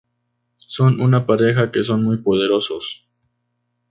Son una pareja que son muy poderosos.